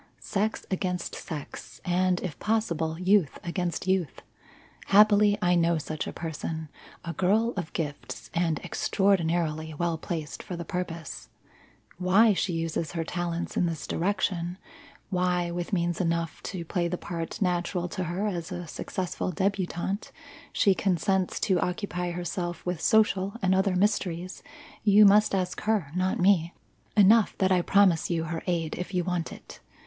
Sex against sex, and, if possible, youth against youth. Happily, I know such a person a girl of gifts and extraordinarily well placed for the purpose. Why she uses her talents in this direction why, with means enough to play the part natural to her as a successful debutante, she consents to occupy herself with social and other mysteries, you must ask her, not me. Enough that I promise you her aid if you want it.